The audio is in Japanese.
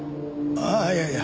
ああいやいや。